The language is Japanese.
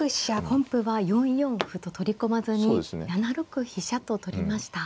本譜は４四歩と取り込まずに７六飛車と取りました。